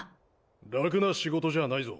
楽な仕事じゃないぞ。